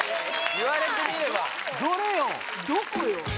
言われてみればどれよ